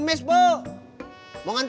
bakal jadi begitu